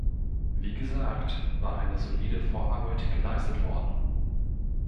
Wie gesagt, war eine solide Vorarbeit geleistet worden.